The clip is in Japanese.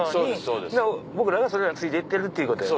で僕らがそれついて行ってるっていうことやんな。